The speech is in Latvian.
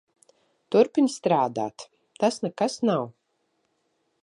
Turpini strādāt. Tas nekas nav.